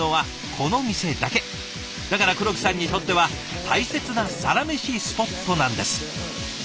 だから黒木さんにとっては大切なサラメシスポットなんです。